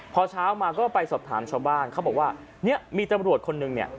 พอเช้ามาก็ไปสอบถามชาวบ้านเขาบอกว่าเนี่ยมีตำรวจคนนึงเนี่ย